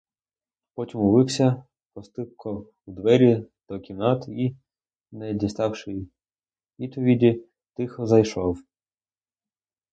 Потім умився, постукав у двері до кімнат і, не діставши відповіді, тихо зайшов.